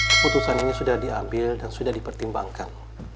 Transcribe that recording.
keputusan ini sudah diambil dan sudah dipertimbangkan